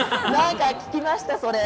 聞きました。